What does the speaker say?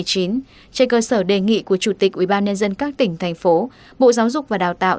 trên cơ sở đề nghị của chủ tịch ubnd các tỉnh thành phố bộ giáo dục và đào tạo